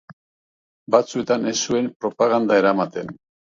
Batzuetan ez zuen propaganda eramaten.